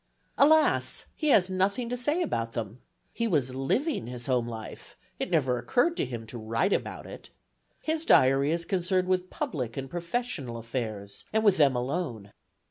Alas! he has nothing to say about them. He was living his home life; it never occurred to him to write about it. His diary is concerned with public and professional affairs, and with them alone.